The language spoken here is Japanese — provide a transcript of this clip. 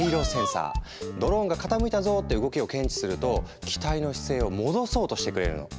ドローンが「傾いたぞ！」って動きを検知すると機体の姿勢を戻そうとしてくれるの。